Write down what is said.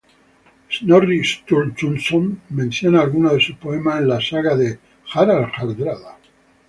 Snorri Sturluson menciona alguno de sus poemas en la "saga de Harald Hardrada".